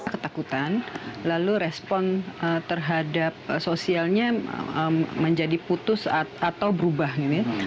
ketakutan lalu respon terhadap sosialnya menjadi putus atau berubah menjadi lebih pendiam